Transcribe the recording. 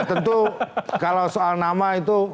tentu kalau soal nama itu